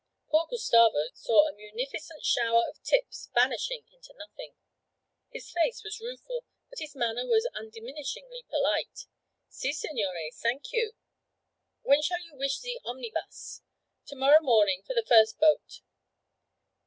Poor Gustavo saw a munificent shower of tips vanishing into nothing. His face was rueful, but his manner was undiminishingly polite. 'Si, signore, sank you. When shall you wish ze omnibus?' 'To morrow morning for the first boat.'